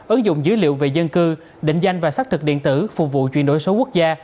ứng dụng dữ liệu về dân cư định danh và xác thực điện tử phục vụ chuyển đổi số quốc gia